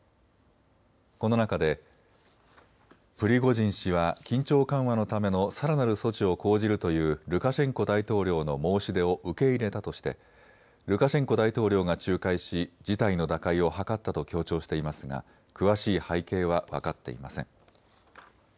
この中でプリゴジン氏は緊張緩和のためのさらなる措置を講じるというルカシェンコ大統領の申し出を受け入れたとしてルカシェンコ大統領が仲介し事態の打開を図ったと強調していますが詳しい背景は分かっていません。